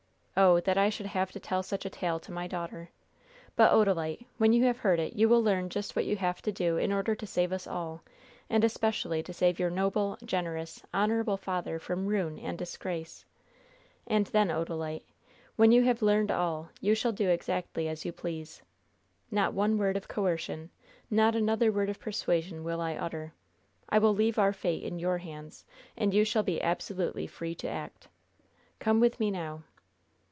Oh, that I should have to tell such a tale to my daughter! But, Odalite, when you have heard it you will learn just what you have to do in order to save us all, and especially to save your noble, generous, honorable father from ruin and disgrace. And then, Odalite, when you have learned all, you shall do exactly as you please. Not one word of coercion, not another word of persuasion, will I utter. I will leave our fate in your hands, and you shall be absolutely free to act. Come with me now."